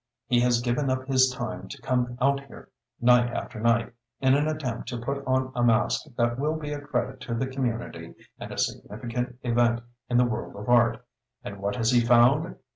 He has given up his time to come out here, night after night, in an attempt to put on a masque that will be a credit to the community and a significant event in the world of art, and what has he found?